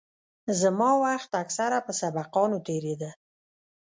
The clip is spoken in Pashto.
زما وخت اکثره په سبقانو تېرېده.